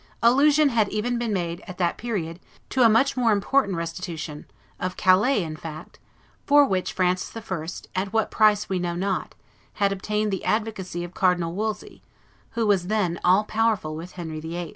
Allusion had even been made, at that period, to a much more important restitution, of Calais in fact, for which Francis I., at what price we know not, had obtained the advocacy of Cardinal Wolsey, who was then all powerful with Henry VIII.